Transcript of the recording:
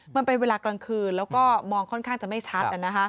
มันเป็นเวลากลางคืนแล้วก็มองค่อนข้างจะไม่ชัด